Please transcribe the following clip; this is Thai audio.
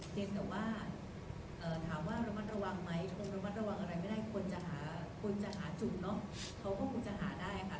เพียงแต่ว่าถามว่าระมัดระวังไหมคงระมัดระวังอะไรไม่ได้คนจะหาคนจะหาจุดเนอะเขาก็คงจะหาได้ค่ะ